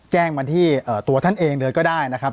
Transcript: แจ้งมาที่ตัวท่านเองเลยก็ได้นะครับ